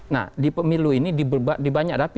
nah di pemilu ini di banyak dapil yang saya amati